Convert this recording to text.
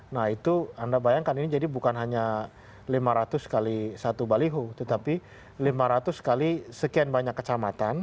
nah itu anda bayangkan ini jadi bukan hanya lima ratus kali satu baliho tetapi lima ratus kali sekian banyak kecamatan